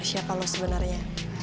siapa lu sebenernya